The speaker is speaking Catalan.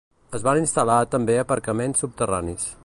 Es van instal·lar també aparcaments subterranis.